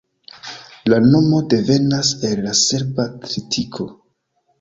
La nomo devenas el la serba tritiko.